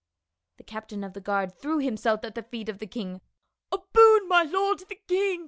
The captain of the guard threw himself at the feet of the king. " A boon, my lord the king